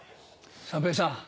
三平さん